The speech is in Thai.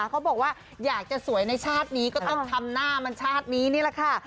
เขาบอกว่าอยากจะสวยในชาตินี้ก็ต้องทำหน้ามันชาตินี้นี่แหละค่ะ